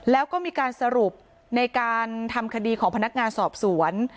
แล้วก็มีการสรุปในการทำคดีของพนักงานสอบสวน